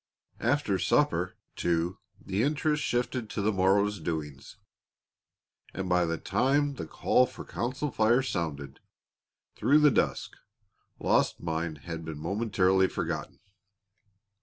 After supper, too, the interest shifted to the morrow's doings, and by the time the call for council fire sounded through the dusk Lost Mine had been momentarily forgotten.